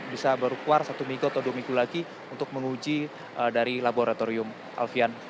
bisa berkuar satu minggu atau dua minggu lagi untuk menguji dari laboratorium alfian